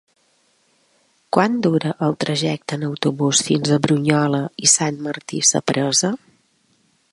Quant dura el trajecte en autobús fins a Brunyola i Sant Martí Sapresa?